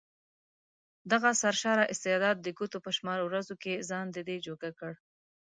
دغه سرشاره استعداد د ګوتو په شمار ورځو کې ځان ددې جوګه کړ.